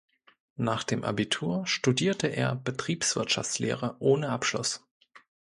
Nach dem Abitur studierte er Betriebswirtschaftslehre ohne Abschluss.